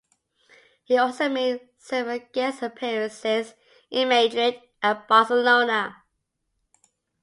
He also made several guest appearances in Madrid and Barcelona.